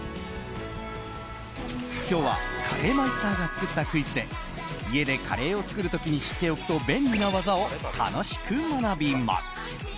今日は、カレーマイスターが作ったクイズで家でカレーを作る時に知っておくと便利な技を楽しく学びます。